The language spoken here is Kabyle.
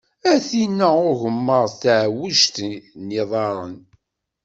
A tinn-a n ugemmaḍ, tuɛwijt n yiḍarren.